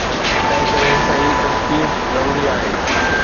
تنهن ڪري، صحيح تشخيص ضروري آهي.